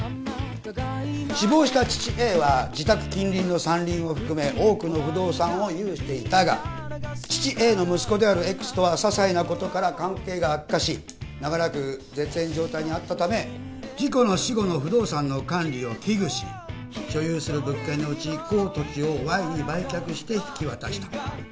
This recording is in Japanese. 死亡した父Ａは自宅近隣の山林を含め多くの不動産を有していたが父Ａの息子であるＸとはささいなことから関係が悪化し長らく絶縁状態にあったため自己の死後の不動産の管理を危惧し所有する物件のうち甲土地をＹに売却して引き渡した。